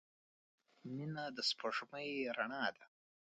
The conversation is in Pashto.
• مینه د سپوږمۍ رڼا ده.